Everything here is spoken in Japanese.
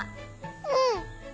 うん！